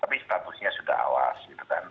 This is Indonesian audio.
tapi statusnya sudah awas